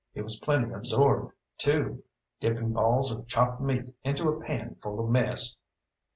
He was plenty absorbed too, dipping balls of chopped meat into a pan full of mess.